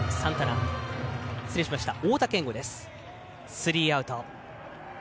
スリーアウト。